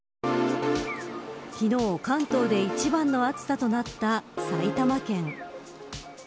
昨日関東で一番の暑さとなった埼玉県。